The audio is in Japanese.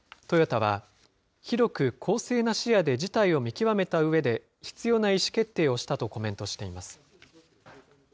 トヨタは、広く公正な視野で事態を見極めたうえで、必要な意思決定をしたとコメントしています。